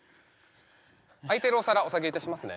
空いてるお皿お下げしますね。